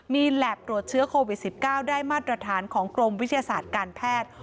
มีแหลบตรวจเชื้อโควิด๑๙ได้มาตรฐานของกรมวิทยาศาสตร์การแพทย์